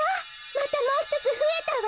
またもうひとつふえたわ。